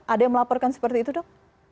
ada yang melaporkan seperti itu dok